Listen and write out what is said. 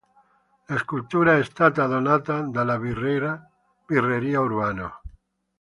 La scultura è stata donata dalla birreria Urbano.